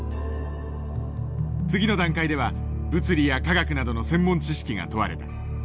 次の段階では物理や化学などの専門知識が問われた。